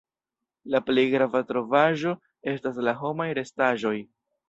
La plej grava trovaĵo estas la homaj restaĵoj.